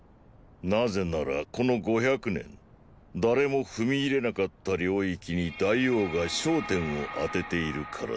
なぜならこの五百年誰も踏み入れなかった領域に大王が焦点をあてているからです。